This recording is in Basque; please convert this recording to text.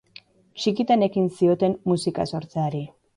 Txikitan ekin zioten musika sortzeari.